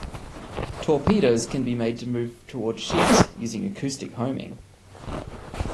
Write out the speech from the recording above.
Torpedoes can be made to move toward ships using acoustic homing.